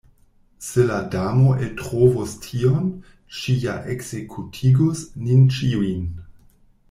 Se la Damo eltrovus tion, ŝi ja ekzekutigus nin ĉiujn.